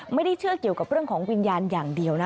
ไม่ได้เชื่อเกี่ยวกับเรื่องของวิญญาณอย่างเดียวนะ